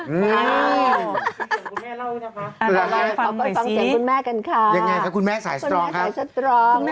คุณแม่สายสตรอง